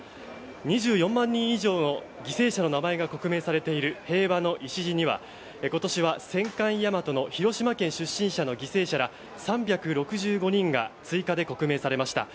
２４万人以上の犠牲者の名前が刻銘されている平和の礎には今年は戦艦「大和」の広島県出身者の犠牲者ら３６５人が追加で刻銘されました。